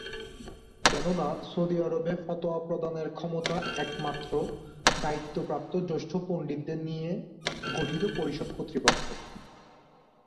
কেননা সৌদি আরবে ফতোয়া প্রদানের ক্ষমতা একমাত্র দায়িত্বপ্রাপ্ত জ্যেষ্ঠ পণ্ডিতদের নিয়ে গঠিত পরিষদ কর্তৃপক্ষের।